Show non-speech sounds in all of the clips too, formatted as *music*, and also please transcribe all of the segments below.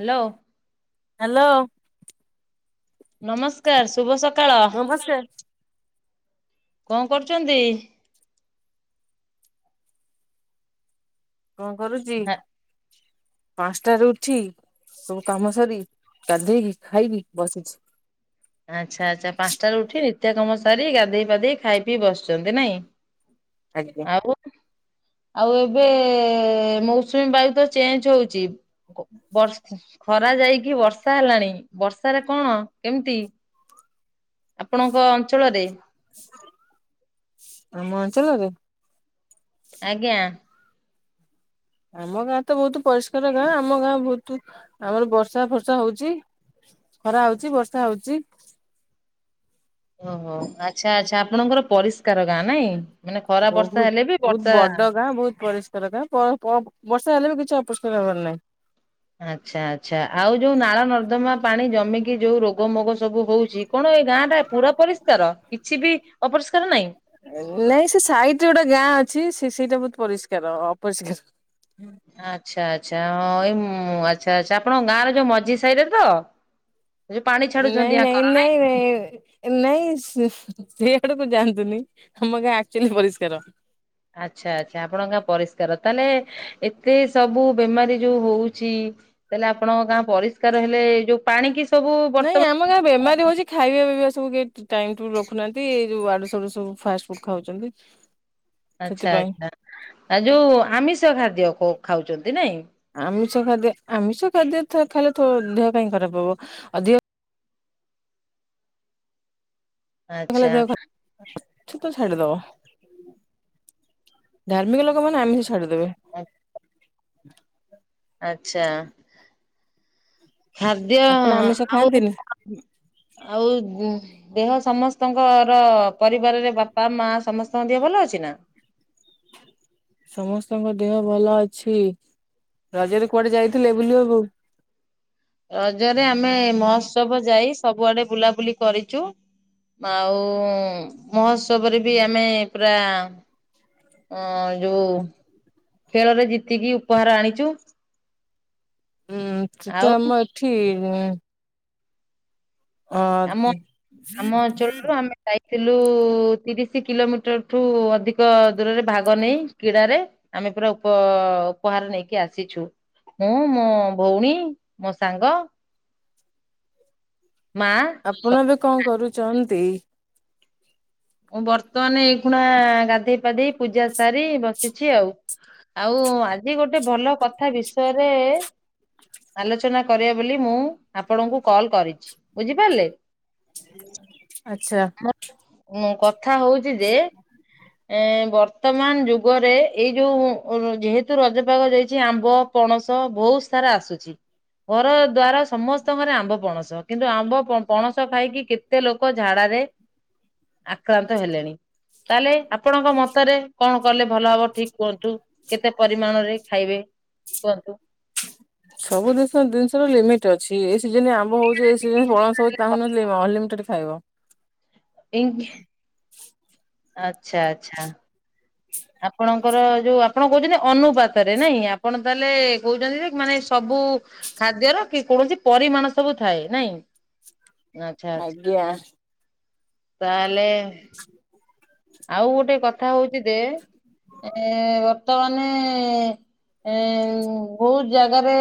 Hello. Hello. ନମସ୍କାର୍ ଶୁଭ ସକାଳ, ନମସ୍କାର କଣ କରୁଚନ୍ତି? କଣ କରୁଚି। ହା ପାଞ୍ଚଟାରୁ ଉଠି ସବୁ କାମ ସରି ଗାଧେଇକି ଖାଇକି ବସିଛି। ଆଚ୍ଛା ଆଚ୍ଛା ପାଞ୍ଚଟାରୁ ଉଠି ନିତ୍ୟ କାମ ସାରି ଗାଧୋଇ ପାଧେଇ ଖାଇ ପିଇ ବସଛନ୍ତି ନାଇଁ? ଆଜ୍ଞା ଆଉ ଆଉ ଏବେ ମୌସୁମୀ ବାୟୁ ତ ଚେଞ୍ଜ ହଉଚି। କ ବର୍ ଖରା ଯାଇକି ବର୍ଷା ହେଲାଣି ବର୍ଷାରେ କଣ କେମ୍ତି ଆପଣଙ୍କ ଅଞ୍ଚଳରେ? ଆମ ଅଞ୍ଚଳରେ? ଆଜ୍ଞା। ଆମ ଗାଁ ତ ବହୁତୁ ପରିଷ୍କାର ଗାଁ, ଆମ ଗାଁ ବହୁତୁ ଆମର ବର୍ଷା ଫର୍ଷା ହଉଚି। ଖରା ହଉଚି ବର୍ଷା ହଉଚି। ଓହୋ ଆଚ୍ଛା-ଆଚ୍ଛା ଆପଣଙ୍କର ପରିଷ୍କାର ଗାଁ ନାଇଁ? ମାନେ ଖରା ବର୍ଷା ହେଲେ ବି ବହୁତ୍-ବହୁତ୍ ବର୍ଷା ବଡ ଗାଁ, ବହୁତ ପରିସ୍ କାର ଗାଁ ପ ପପ୍ ବର୍ଷା ହେଲେ ବି କିଛି ଅପରିଷ୍କାର ହେବାର ନାହିଁ। ଆଚ୍ଛା-ଆଚ୍ଛା ଆଉ ଯୋଉ ନାଳ ନର୍ଦ୍ଦମା ପାଣି ଜମିକି ଯୋଉ ରୋଗ ମୋଗ ସବୁ ହଉଚି। କଣ ଏଇ ଗାଁ ଟା ପୁରା ପରିଷ୍କାର କିଛି ବି ଅପରିଷ୍କାର ନାହିଁ? ନାଇଁ ସେ ସାଇଟ୍ ରେ ଗୋଟେ ଗାଁ ଅଛି ସେ ସେଇଟା ବହୁତ୍ ପରିଷ୍କାର ଅପରିଷ୍କାର। ଆଚ୍ଛା-ଆଚ୍ଛା ହଁ ଏଇ ଆଚ୍ଛା-ଆଚ୍ଛା ଆପଣଙ୍କ ଗାଁର ଯୋଉ ମଝି ସାଇରେ ତ? ଯୋଉ ପାଣି ଛାଡୁଛନ୍ତି ଆଙ୍କର ନାଇଁ ନାଇଁ-ନାଇଁ-ନାଇଁ-ନାଇଁ। ନାଇଁ ସିଆଡୁକୁ ଯାଆନ୍ତୁନି ଆମ ଗାଁ ଆକ୍ଚୁଆଲି ପରିଷ୍କାର। ଆଚ୍ଛା-ଆଚ୍ଛା ଆପଣଙ୍କ ଗାଁ ପରିଷ୍କାର, ତାହେଲେ ଏତେ ସବୁ ବେମାରୀ ଯୋଉ ହଉଛି ତାହେଲେ ଆପଣଙ୍କ ଗାଁ ପରିଷ୍କାର ହେଲେ ଏ ଯୋଉ ପାଣି କି ସବୁ ବର୍ତ୍ତମାନ୍ *unintelligible* ଗାଁ ବେମାରୀ ହଉଛି ଖାଇବା ପିଇବା ସବୁ *unintelligible* ଟାଇମ୍ ଟେବୁଲ୍ ରଖୁନାହାନ୍ତି, ଏଇ ଯୋଉ ଆଡୁ ସଡୁ ସବୁ ଫାଷ୍ଟ ଫୁଡ ଖାଉଚନ୍ତି। ଆଚ୍ଛା-ଆଚ୍ଛା ଆ ଯୋଉ ଆମିଷ ଖାଦ୍ୟ ଖାଉଛନ୍ତି ନାଇଁ? ଆମିଷ ଖାଦ୍ୟ ଆମିଷ ଖାଦ୍ୟ ଖାଇଲେ ଦେହ କାଇଁ ଖରାପ ହବ, ଅଧିକ *unintelligible* ଆଚ୍ଛା ଦେହ ଖରାପ୍। ସେ ତ ଛାଡିଦବ ଧାର୍ମିକ ଲୋକମାନେ ଆମିଷ ଛାଡିଦବେ। *unintelligible* ଆଚ୍ଛା ଖାଦ୍ୟ ଆପଣ ଆମିଷ ଆଉ ଖାଆନ୍ତିନି? ଆଉ ଗୁଁ ଦେହ ସମସ୍ତଙ୍କର ପରିବାରରେ ବାପା ମା ସମସ୍ତଙ୍କ ଦେହ ଭଲ ଅଛି ନା? ସମସ୍ତଙ୍କ ଦେହ ଭଲ ଅଛି, ରଜରେ କୁଆଡେ ଯାଇଥିଲେ ବୁଲିବାକୁ? ରଜରେ ଆମେ ମହୋତ୍ସବ ଯାଇ ସବୁଆଡେ ବୁଲାବୁଲି କରିଚୁ। ଆଉ ମହୋତ୍ସବରେ ବି ଆମେ ପୁରା ହଁ ଯୋଉ ଖେଳରେ ଜିତିକି ଉପହାର ଆଣିଚୁ। ଉଁ ସେଟା ଆଉ ଆମ ଏଠି ଉଁ- ଅ ଆମ-ଆମ ଅଞ୍ଚଳରୁ ଆମେ ଯାଇଥିଲୁ ତିରିଶି କିଲୋମିଟରଠୁ ଅଧିକ ଦୂରରେ ଭାଗ ନେଇ କ୍ରୀଡାରେ ଆମେ ପୁରା ଉପ ଉପହାର ନେଇକି ଆସିଛୁ। ମୁଁ, ମୋ ଭଉଣୀ, ମୋ ସାଙ୍ଗ ମାଆ ଆପଣ ଏବେ କଣ କରୁଚନ୍ତି? ମୁଁ ବର୍ତ୍ତମାନ ଏଇଖୁଣା ଗାଧେଇ ପାଧେଇ ପୂଜା ସାରି ବସ୍ ସିଛି ଆଉ ଆଉ ଆଜି ଗୋଟେ ଭଲ କଥା ବିଷୟରେ ଆଲୋଚନା କରିବା ବୋଲି ମୁଁ ଆପଣଙ୍କୁ କଲ କରିଛି ବୁଝିପାରିଲେ। ଆଛା। ମୁଁ କଥା ହୋଉଚି ଯେ ଏ ବର୍ତ୍ତମାନ ଯୁଗରେ ଏଇ ଯୋଉ ଯେହେତୁ ରଜପାଗ ଯାଇଛି ଆମ୍ବ ପଣସ ବୋହୁତ ସାରା ଆସୁଚି। ଘର ଦ୍ଵାର ସମସ୍ତଙ୍କର ଆମ୍ବ ପଣସ କିନ୍ତୁ ଆମ୍ବ ପ-ପଣସ ଖାଇକି କେତେ ଲୋକ ଝାଡାରେ ଆକ୍ରାନ୍ତ ହେଲେଣି ତାହେଲେ ଆପଣଙ୍କ ମତରେ କଣ କଲେ ଭଲ ହବ ଠିକ କୁହନ୍ତୁ କେତେ ପରିମାଣରେ ଖାଇବେ କୁହନ୍ତୁ? ସବୁ ଦିନଷ ଦିନଷର ଲିମିଟ ଅଛି ଏ ସିଜନରେ ଆମ୍ବ ହୋଉଚି ଏ ସିଜନ ପଣସ ହୋଉଚି ତା ମାନେ ନୁହେଁ ଯେ ଲି ଅଂଲିମିଟେଡ଼ ଖାଇବ ଇଙ୍କ୍ ଆଛା ଆଛା। ଆପଣଙ୍କର ଯୋଉ ଆପଣ କୋହୁଚନ୍ତି ଯେ ଅନୁପାତରେ ନାଇଁ ଆପଣ ତାହେଲେ କୋହୁଚନ୍ତି ଯେ ମାନେ ସବୁ ଖାଦ୍ୟର କି କୌଣସି ପରିମାଣ ସବୁ ଥାଏ ନାଇଁ। ଆଛା ଆଛା ଆଜ୍ଞା ତାହାଲେ ? ଆଉ ଗୋଟେ କଥା ହୋଉଚି ଯେ ଏ ବର୍ତ୍ତମାନେ ଏ ବୋହୁତ ଜାଗାରେ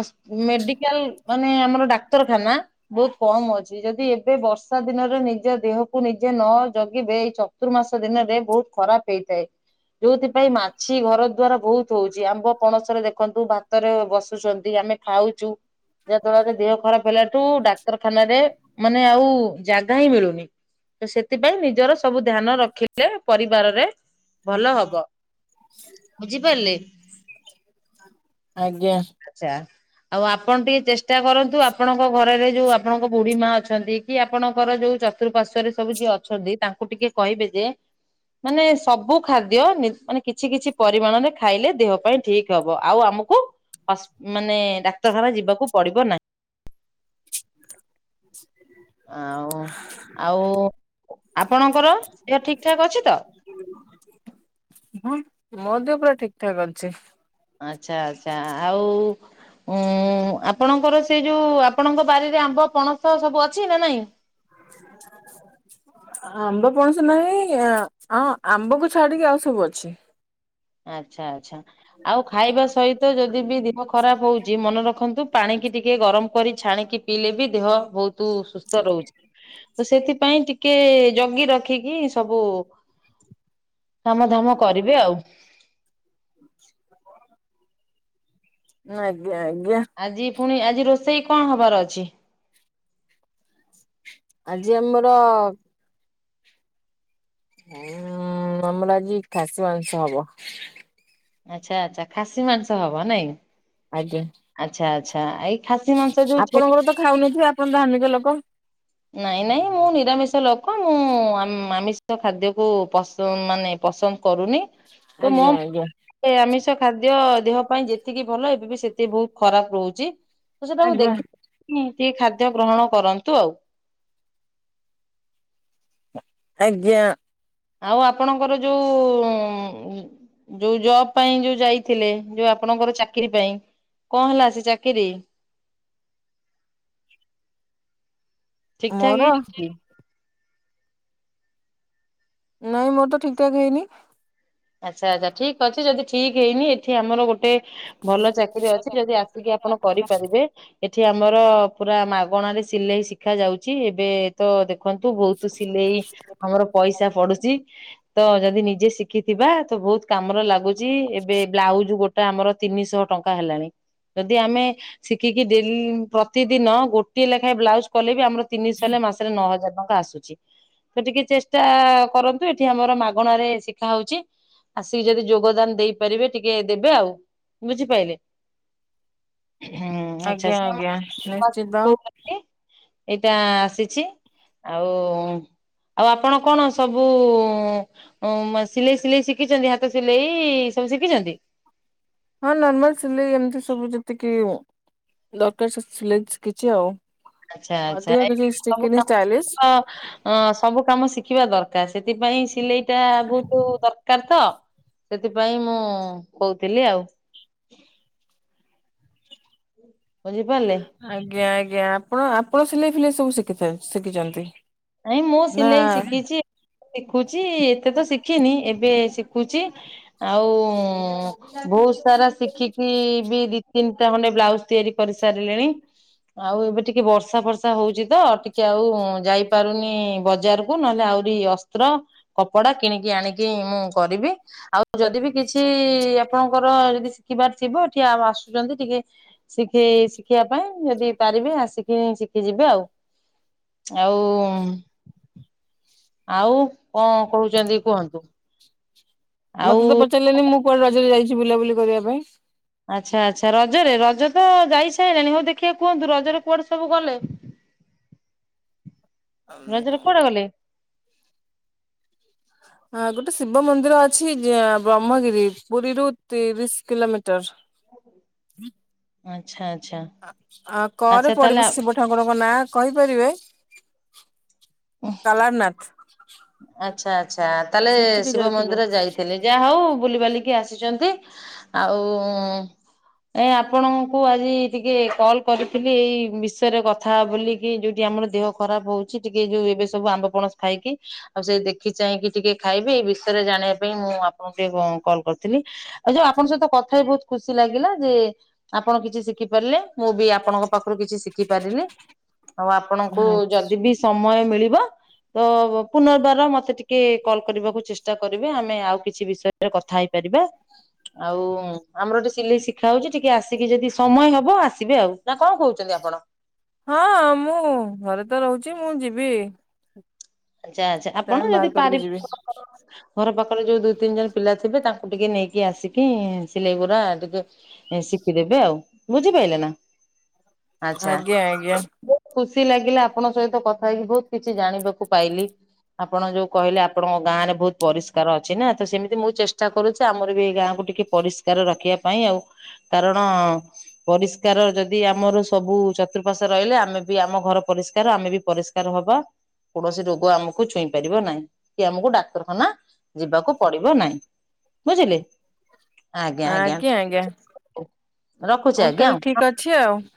ହସ୍ ମେଡିକାଲ ମାନେ ଆମର ଡାକ୍ତର ଖାନା ବୋହୁତ କମ ଅଛି ଯଦି ଏବେ ବର୍ଷା ଦିନରେ ନିଜ ଦେହକୁ ନିଜେ ନ ଜଗିବେ ଏଇ ଚ ତୁର୍ମାସ ଦିନରେ ବୋହୁତ ଖରାପ ହେଇଥାଏ। ଯୋଉଥିପାଇଁ ମାଛି ଘର ଦ୍ଵାରା ବୋହୁତ ହୋଉଚି ଆମ୍ବ ପଣସରେ ଦେଖନ୍ତୁ ଭାତରେ ବସୁଚନ୍ତି ଆମେ ଖାଉଚୁ ଯାହାଫଳରେ ଦେହ ଖରାପ ହେଲାଠୁ ଡାକ୍ତରଖାନରେ ମାନେ ଆଉ ଜାଗା ହିଁ ମିଳୁନି। ତ ସେଥିପାଇଁ ନିଜର ସବୁ ଧ୍ୟାନ ରଖିଲେ ପରିବାରରେ ଭଲ ହବ ବୁଝିପାରଲେ। ଆଜ୍ଞା। ଆଚ୍ଛା ଆଉ ଆପଣ ଟିକେ ଚେଷ୍ଟା କରନ୍ତୁ ଆପଣଙ୍କ ଘରରେ ଯୋଉ ଆପଣଙ୍କ ବୁଢୀମାଆ ଅଛନ୍ତି କି ଆପଣଙ୍କର ଯୋଉ ଚତୁପାର୍ଶ୍ଵରେ ସବୁ ଯିଏ ଅଛନ୍ତି ତାଙ୍କୁ ଟିକେ କହିବେ ଯେ ମାନେ ସବୁ ଖାଦ୍ୟ ନି ମାନେ କିଛି କିଛି ପରିମାଣରେ ଖାଇଲେ ଦେହ ପାଇଁ ଠିକ ହବ ଆଉ ଆମକୁ ହସ୍ ମାନେ ଡାକ୍ତରଖାନା ଯିବାକୁ ପଡିବ ନା ? ଆଉ ଆଉ ଆପଣଙ୍କର ଦେହ ଠିକଠାକ୍ ଅଛି ତ? ହଁ ମୋ ଦେହ ପୁରା ଠିକଠାକ ଅଛି। ଆଛା ଆଛା ଆଉ ଉଁ ଆପଣଙ୍କର ସେଉ ଯୋଉ ଆପଣଙ୍କ ବାରିରେ ଆମ୍ବ ପଣସ ସବୁ ଅଛି ନା ନାଇଁ? ? ଆମ୍ବ ପଣସ ନାହିଁ ଆ ଆଁ ଆମ୍ବକୁ ଛାଡିକି ଆଉ ସବୁ ଅଛି। ଆଚ୍ଛା ଆଚ୍ଛା ଆଉ ଖାଇବା ସହିତ ଯଦି ବି ଦେହ ଖରାପ ହୋଉଚି ମନେରଖନ୍ତୁ ପାଣିକି ଟିକେ ଗରମ କରି ଛାଣିକି ପିଇଲେ ବି ଦେହ ବୋହୁତୁ ସୁସ୍ଥ ରହୁଚି। ତ ସେଥିପାଇଁ ଟିକିଏ ଜଗି ରଖିକି ସବୁ କାମଧାମ କରିବେ ଆଉ। ନା ଆଜ୍ଞା ଆଜ୍ଞା। ଆଜି ପୁଣି -ଆଜି ରୋଷେଇ କଣ ହବାର ଅଛି? ଆଜି ଆମର ଉଁ- ଆମର ଆଜି ଖାସି ମାଂସ ହବ। ଆଚ୍ଛା ଆଚ୍ଛା ଖାସି ମାଂସ ହବ ନାଇଁ? ଆଜ୍ଞା। ଆଚ୍ଛା- ଆଚ୍ଛା- ଏଇ ଖାସି ମାଂସ ଯୋଉ ଛେଳି ଆପଣଙ୍କର ତ ଖାଉନଥିବେ ଆପଣ ଧାର୍ମିକ ଲୋକ? ନାଇଁ- ନାଇଁ ମୁଁ ନିରାମିଷ ଲୋକ ମୁଁ ଆମ୍-ଆମିଷ ଖାଦ୍ୟକୁ ପସନ୍ଦ୍ ମାନେ ପସନ୍ଦ୍ କରୁନି। ଆଜ୍ଞା- ଆଜ୍ଞା। ଏ ଆମିଷ ଖାଦ୍ୟ ଦେହ ପାଇଁ ଯେତିକି ଭଲ ଏବେ ବି ସେତିକି ବହୁତ୍ ଖରାପ୍ ରହୁଚି। ତ ସେଟାକୁ ଆଜ୍ଞା ଦେଖି *inaudible* ଟିକେ ଖାଦ୍ୟ ଗ୍ରହଣ କରନ୍ତୁ ଆଉ। ଆଜ୍ଞା। ଆଉ ଆପଣଙ୍କର ଯଉ ଉଁ ଯଉ ଜବ୍ ପାଇଁ ଯଉ ଯାଇଥିଲେ ଯଉ ଆପଣଙ୍କର ଚାକିରୀ ପାଇଁ କଣ୍ ହେଲା ସେ ଚାକିରିୀ? ଠିକ୍ ଠାକ୍ ମୋର ହେଇ *unintelligible* ନାଇଁ ମୋର୍ ତ ଠିକ୍ ଠାକ୍ ହେଇନି। ଆଚ୍ଛା -ଆଚ୍ଛା ଠିକ୍ ଅଛି ଯଦି ଠିକ୍ ହେଇନି ଏଠି ଆମର ଗୋଟେ ଭଲ ଚାକିରି ଅଛି ଯଦି ଆସିକି ଆପଣ କରିପାରିବେ ଏଠି ଆମର ପୁରା ମାଗଣାରେ ସିଲେଇ ଶିଖା ଯାଉଚି ଏବେ ତ ଦେଖନ୍ତୁ ବହୁତୁ ସିଲେଇ ଆମର ପଇସା ପଡୁଚି ତ ଯଦି ନିଜେ ସି ଶିଖିଥିବା ତ ବହୁତ୍ କାମରେ ଲାଗୁଚି ଏବେ ବ୍ଲାଉଜ୍ ଗୋଟେ ଆମର ତିନିଶ ଟଙ୍କା ହେଲାଣି। ଯଦି ଆମେ ଶିଖିକି ଦିନ୍ -ପ୍ରତିଦିନ ଗୋଟିଏ ଲେଖାଏଁ ବ୍ଲାଉଜ କଲେ ବି ଆମର ତିିନିଶ ହଲେ ମାସ୍ *unintelligible* ନଅ ହଜାର ଟଙ୍କା ଆସୁଚି ତ ଟିକେ ଚେଷ୍ଟା କରନ୍ତୁ ଏଠି ଆମର ମାଗଣାରେ ‌ଶିକ୍ ଶିକା ହଉଚି ଆସିକି ଯଦି ଯୋଗଦାନ ଦେଇପାରିବେ ଟିକେ ଦେବେ ଆଉ ବୁଝିପାଇଲେ। ଆଜ୍ଞା ଆଜ୍ଞା ନିଶ୍ଚିତ *inaudible* ଏଟା ଆସିଚି। ଆଉ -ଆଉ ଆପଣ କଣ ସବୁ ଉଁ- ସିଲେଇ -ସିଲେଇ ଶିକିଚନ୍ତି ହାତ ସିଲେଇ ସବୁ ଶିକିଚନ୍ତି? ହଁ ନର୍ମାଲ୍ ସିଲେଇ ଏମିତି ସବୁ ଯେତିକି ଉଁ- ଦରକାର୍ ସ-ସିଲେଇ ଶିକିଚି ଆଉ। ଆଚ୍ଛା- ଆଚ୍ଛା ଅଧିକ କିଛି ଏଇ ସବୁ ଶିଖିନି କାମ ଷ୍ଟାଇଲିସ୍। ଅଁ- ସବୁ କାମ ଶିଖିବା ଦରକାର୍ ସେଥିପାଇଁ ସିଲେଇ ଟା ବହୁତୁ ଦରକାର୍ ତ। ସେଥିପାଇଁ ମୁଁ କହୁଥିଲି ଆଉ। ବୁଝିପାରିଲେ। ଆଜ୍ଞା- ଆଜ୍ଞା ଆପଣ- ଆପଣ ସିଲେଇ ଫିଲେଇ ସବୁ ଶିକିଚନ୍ତି-ଶିକିଚନ୍ତି? ନାଇଁ ମୁଁ ସିଲେଇ ଶିକିଚି ଶିଖୁଚି ଏତେ ତ ଶିଖିନି ଏବେ ଶିଖୁଚି ଆଉ ବହୁତ୍ ସାରା ଶିଖି ବି -ବି ଦି ତିନ୍ ଟା ଖଣ୍ଡେ ବ୍ଲାଉଜ୍ ତିଆରି କରି ସାରିଲିଣି। ଆଉ ଏବେ ଟିକେ ବର୍ଷା ଫର୍ଷା ହଉଚି ତ ଟିକେ ଆଉ ଯାଇ ପାରୁନି ବଜାର କୁ ନହେଲେ ଆହୁରି ଅସ୍ତ୍ର କପଡା କିଣିକି ଆଣିକି ମୁଁ କରିବି। ଆଉ ଯଦି ବି କିଛି ଆପଣଙ୍କର ଯଦି ଶିକିବାର ଥିବ ଏଠି ଆଉ ଆସୁଚନ୍ତି ଟିକେ ଶିଖେଇ -ଶିଖିବା ପାଇଁ ଯଦି ପାରିବେ ଆସିକି ଶିକି ଯିବେ ଆଉ। ଆଉ ଆଉ କଣ୍ କହୁଚନ୍ତି କୁହନ୍ତୁ? ଆଉ ମତେ ତ ପଚାରିଲେନି ମୁଁ କୁଆଡେ ରଜରେ ଯାଇଚି ବୁଲାବୁଲି କରିବା ପାଇଁ। ଆଚ୍ଛା- ଆଚ୍ଛା ରଜରେ ରଜ ତ ଯାଇ ସାଇଲାଣି ହଉ ଦେଖିଆ କୁହନ୍ତୁ ରଜରେ କୁଆଡେ ସବୁ ଗଲେ? ରଜରେ କୁଆଡେ ଗଲେ? ହଁ ଗୋଟେ ଶିବ ମନ୍ଦିର ଅଛି ହଁ ବ୍ରହ୍ମଗିରି ପୁରୀରୁୁ ତିରିଶ କିଲୋମିଟର। ଆଚ୍ଛା ଆଚ୍ଛା। ଆ କରେ ଆଚ୍ଛା ତାହେଲେ ପଡିବ ଶିବ ଠାକୁରଙ୍କ ନାଁ କହିପାରିବେ? କାଲାରନାଥ। ଆଚ୍ଛା ଆଚ୍ଛା ତାହେଲେ ସେଠିକି ଶିବ ଯାଇଥିଲୁ। ମନ୍ଦିର ଯାଇ ଥିଲେ ଯାହା ହଉ ବୁଲିିବାଲିକି ଆସିଛନ୍ତି ଆଉ। ଏ ଆପଣଙ୍କୁ ଆଜି ଟିକେ କଲ କରିଥିଲି ଏଇ ବିଷୟରେ କଥା ଥା ବୋଲିକି ଯୋଉଠି ଆମର ଦେହ ଖରାପ ହଉଛି ଟିକେ ଯୋଉ ଏବେ ସବୁ ଆମ୍ବପଣସ ଖାଇକି। ଆଉ ସେ ଦେଖି ଚାହିଁକି ଟିକେ ଖାଇବେ ଏଇ ବିଷୟରେ ଜାଣିବା ପାଇଁ ମୁଁ ଆପଣଙ୍କୁ ଟିକେ କଲ କରିଥିଲି। ଆଉ ଯୋଉ ଆପଣଙ୍କ ସହିତ କଥା ହେଇ ବହୁତ ଖୁସି ଲାଗିଲା ଯେ। ଆପଣ କିଛି ଶିଖି ପାରିଲେ ମୁଁ ବି ଆପଣଙ୍କ ପାଖରୁ କିଛି ଶିଖି ପାରିଲି। ଆଉ ଆପଣଙ୍କୁ ଯଦି ବି ସମୟ ମିଳିବ ତ ପୁନର୍ବାର ମୋତେ ଟିକେ କଲ୍ କରିବାକୁ ଚେଷ୍ଟା କରିବେ ଆମେ ଆଉ କିଛି ବିଷୟରେ କଥା ହେଇପାରିବା। ଆଉ ଆମର ଏଠି ସିଲେଇ ଶିଖା ହଉଛି ଟିକେ ଆସ ଟିକେ ଯଦି ସମୟ ହବ ଆସିବେ ଆଉ ନା କଣ କହୁଛନ୍ତି ଆପଣ? ହଁ ମୁଁ ଘରେ ତ ରହୁଛି ମୁଁ ଯିବି। ଆଚ୍ଛା ଆଚ୍ଛା ଆପଣ ଟାଇମ ଯଦି ବାହାର କରିକି ଯିବି ପାରିବେ *unintelligible* ଘର ପାଖରେ ଯୋଉ ଦୁଇ ତିନି ଜଣ ପିଲା ଥିବେ ତାଙ୍କୁ ଟିକେ ନେଇକି ଆସିକି ସିଲେଇ ଗୁଡା ଟିକେ ଶିଖିଦେବେ ଆଉ ବୁଝିପାଇଲେ ନା। ଆଚ୍ଛା ଆଜ୍ଞା ଆଜ୍ଞା ଖୁସି ଲାଗିଲା ଆପଣଙ୍କ ସହିତ କଥା ହେଇକି ବହୁତ କିଛି ଜାଣିବାକୁ କୁ ପାଇଲି। ଆପଣ ଯୋଉ କହିଲେ ଆପଣଙ୍କ ଗାଁରେ ବହୁତ ପରିଷ୍କାର ଅଛି ନା ତ ସେମିତି ମୁଁ ଚେଷ୍ଟା କରୁଛି ଆମର ବି ଏଇ ଗାଁକୁ ଟିକେ ପରିଷ୍କାର ରଖିବା ପାଇଁ ଆଉ କାରଣ ପରିଷ୍କାର ଯଦି ଆମର ସବୁ ଚତୁଃପାର୍ଶ୍ୱ ରହିଲା ଆମେ ବି ଆମ ଘର ପରିଷ୍କାର ଆମେ ବି ପରିଷ୍କାର। କାର ହବା। କୌଣସି ରୋଗ ଆମକୁ ଛୁଇଁ ପାରିବ ନାହିଁ କି ଆମକୁ ଡାକ୍ତରଖାନା ଯିବାକୁ ପଡିବ ନାହିଁ। ବୁଝିଲେ ଆଜ୍ଞା ଆଜ୍ଞା ରଖୁଛି ହଉ ଆଜ୍ଞା। *unintelligible*